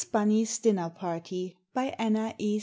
BUNNY'S DINNER PARTY ANNA E.